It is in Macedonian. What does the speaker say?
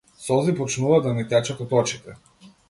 Солзи почнуваат да ми течат од очите.